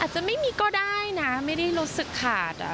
จะไม่มีก็ได้นะไม่ได้รู้สึกขาด